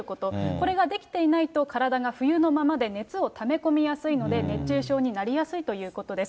これができていないと、体が冬のままで熱をため込みやすいので熱中症になりやすいということです。